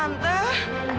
kamu tidak pernah good